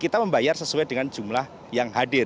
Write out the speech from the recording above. kita membayar sesuai dengan jumlah yang hadir